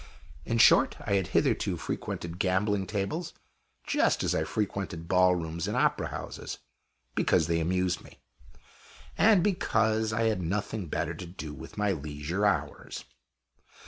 In short, I had hitherto frequented gambling tables just as I frequented ball rooms and opera houses because they amused me, and because I had nothing better to do with my leisure hours.